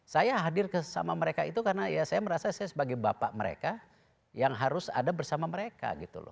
saya hadir sama mereka itu karena ya saya merasa saya sebagai bapak mereka yang harus ada bersama mereka gitu loh